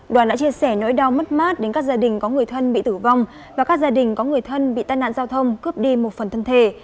đoàn đã chia sẻ nỗi đau mất mát đến các gia đình có người thân bị tử vong và các gia đình có người thân bị tai nạn giao thông cướp đi một phần thân thể